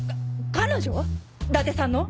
彼女⁉伊達さんの？